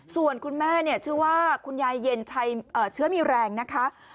ส่วนคุณแม่ชื่อว่าคุณยายเย็นเชื้อมีแรงนะคะ